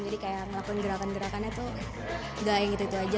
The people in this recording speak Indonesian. jadi melakukan gerakan gerakannya tuh gak yang gitu gitu aja